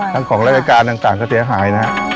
ทั้งของรายการต่างก็เสียหาย